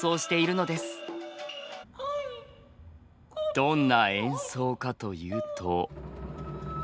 どんな演奏かというと。